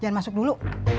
jangan masuk dulu